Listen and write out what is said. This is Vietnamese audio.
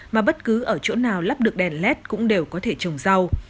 mà bất cứ ở chỗ nào lắp được đèn led cũng đều có thể trồng rau